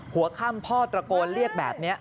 หัวค่ำพ่อตระโกนเรียกแบบนี้